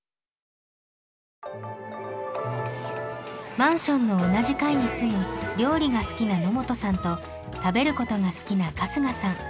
マンションの同じ階に住む料理が好きな野本さんと食べることが好きな春日さん。